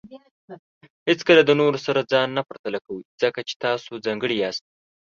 هیڅکله د نورو سره ځان نه پرتله کوئ، ځکه چې تاسو ځانګړي یاست.